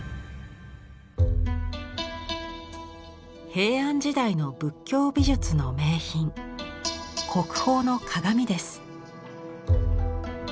平安時代の仏教美術の名品国宝の鏡です。